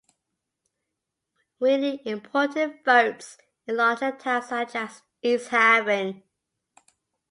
Winning important votes in larger towns such as East Haven.